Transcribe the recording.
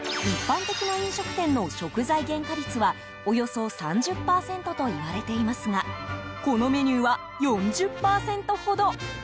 一般的な飲食店の食材原価率はおよそ３０％と言われていますがこのメニューは４０％ほど。